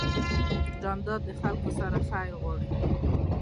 جانداد د خلکو سره خیر غواړي.